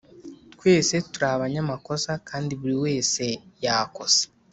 twese turi abanyamakosa kandi buri wese yakosa